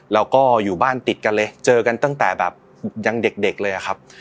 เราก็อยู่บ้านติดกันเลยเจอกันตั้งแต่แบบยังเด็กเลยอะครับ